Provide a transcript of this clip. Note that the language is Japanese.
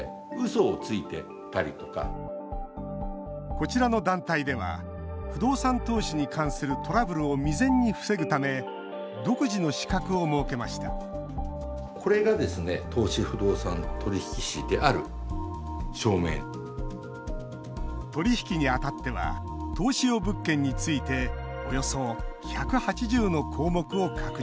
こちらの団体では不動産投資に関するトラブルを未然に防ぐため独自の資格を設けました取り引きに当たっては投資用物件についておよそ１８０の項目を確認。